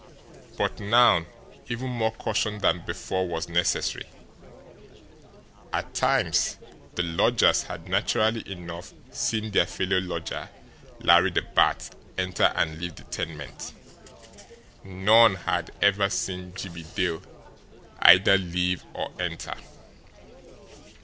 But now even more caution than before was necessary. At times, the lodgers had naturally enough seen their fellow lodger, Larry the Bat, enter and leave the tenement none had ever seen Jimmie Dale either leave or enter.